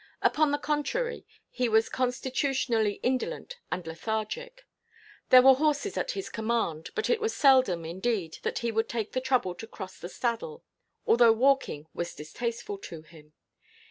Upon the contrary, he was constitutionally indolent and lethargic. There were horses at his command, but it was seldom, indeed, that he would take the trouble to cross the saddle, although walking was distasteful to him.